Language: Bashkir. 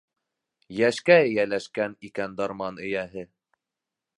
Йәшкә эйәләшкән икән дарман эйәһе.